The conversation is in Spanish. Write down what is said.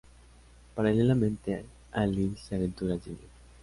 Paralelamente, Alice se aventura al cine.